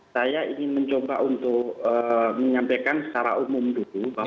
saya ingin mencoba untuk menyampaikan secara umum dulu